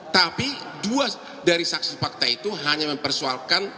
tapi dua dari saksi fakta itu hanya mempersoalkan